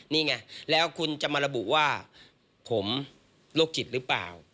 นี่ไงแล้วคุณจะมาระบุว่าผมโรคจิตหรือเปล่า